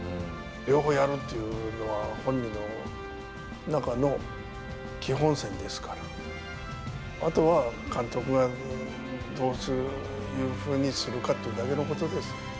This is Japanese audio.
両方やるというのは、本人の中の基本線ですから、あとは監督がどういうふうにするかっていうだけのことです。